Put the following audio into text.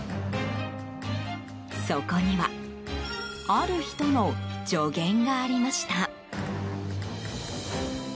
そこにはある人の助言がありました。